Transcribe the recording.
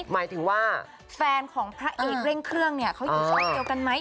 หมายถึงว่าแฟนของพระเอกเร่งเครื่องเนี่ยเขาอยู่ช่องเดียวกันไหม